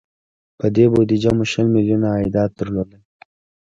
په دې بودجه مو شل میلیونه عایدات درلودل.